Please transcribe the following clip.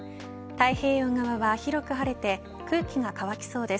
太平洋側は広く晴れて空気が乾きそうです。